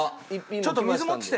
ちょっと水持ってきて。